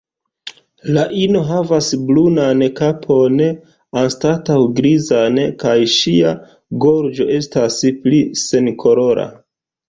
La ino havas brunan kapon anstataŭ grizan, kaj ŝia gorĝo estas pli senkolora.